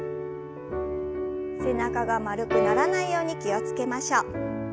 背中が丸くならないように気を付けましょう。